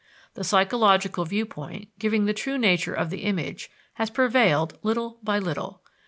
The psychological viewpoint giving the true nature of the image has prevailed little by little.